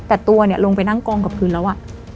แต่ตัวเนี่ยลงไปนั่งกองกับพื้นแล้ว